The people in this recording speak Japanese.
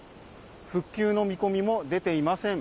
復旧の見込みも出ていません。